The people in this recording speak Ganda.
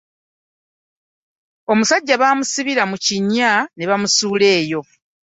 Omusajja bamusibira mu kinnya nebamusuula eyo .